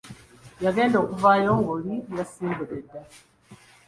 Yagenda okuvaayo ng'oli yasimbudde dda.